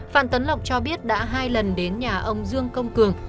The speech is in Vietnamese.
phan tấn lộc cho biết đã hai lần đến nhà ông dương công cường